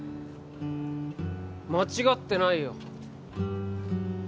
間違ってないよ